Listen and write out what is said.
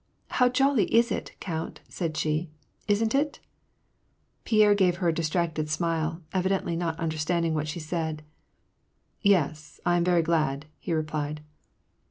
" How jolly it is, count," said she. " Isn't it ?" Pierre gave her a distracted smile, evidently not understand ing what she said. " Yes, I am very glad," he replied.